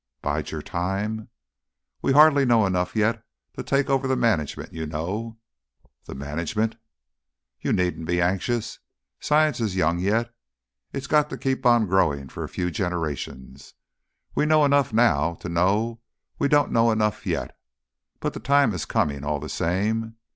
"Bide your time?" "We hardly know enough yet to take over the management, you know." "The management?" "You needn't be anxious. Science is young yet. It's got to keep on growing for a few generations. We know enough now to know we don't know enough yet.... But the time is coming, all the same.